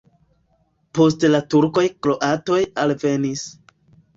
Post la turkoj kroatoj alvenis.